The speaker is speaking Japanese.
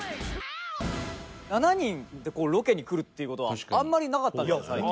７人でロケに来るっていう事はあんまりなかったんです、最近。